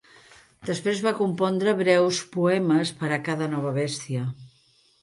Després va compondre breus poemes per a cada nova bèstia.